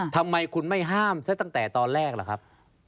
ทำไมคุณไม่ห้ามซะตั้งแต่ตอนแรกล่ะครับ